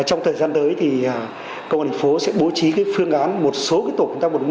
trong thời gian tới thì công an thành phố sẽ bố trí phương án một số tổ một trăm bốn mươi một